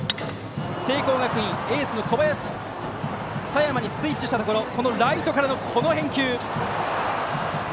聖光学院、エースの佐山にスイッチしたところライトからの、この返球。